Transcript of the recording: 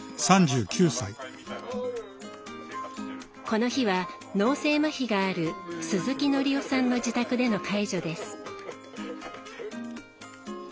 この日は脳性まひがある鈴木範夫さんの自宅での介助です。